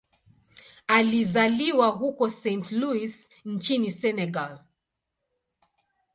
Alizaliwa huko Saint-Louis nchini Senegal.